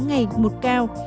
ngày một cao